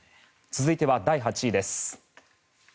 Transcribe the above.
続いては第８位です。